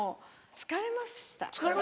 疲れました？